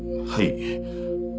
はい。